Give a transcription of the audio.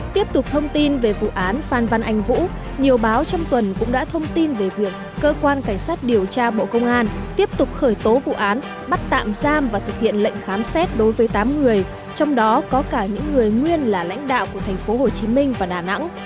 tiếp tục thông tin về vụ án phan văn anh vũ nhiều báo trong tuần cũng đã thông tin về việc cơ quan cảnh sát điều tra bộ công an tiếp tục khởi tố vụ án bắt tạm giam và thực hiện lệnh khám xét đối với tám người trong đó có cả những người nguyên là lãnh đạo của tp hcm và đà nẵng